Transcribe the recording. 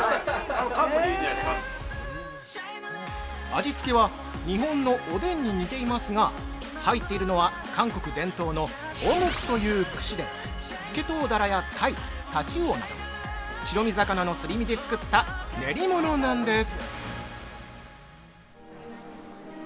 ◆味つけは、日本のおでんに似ていますが、入っているのは韓国伝統の「オムク」という串で、スケトウダラや鯛、タチウオなど白身魚のすり身で作った練り物なんです。